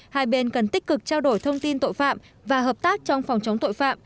hai bên cần tích cực trao đổi thông tin tội phạm và hợp tác trong phòng chống tội phạm